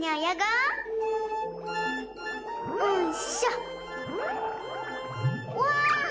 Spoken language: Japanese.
うわ！